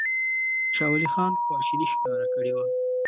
شاه ولي خان خواشیني ښکاره کړې وه.